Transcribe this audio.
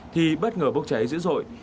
thì bất ngờ bốc cháy dữ dội